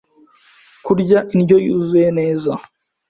kurya indyo yuzuye neza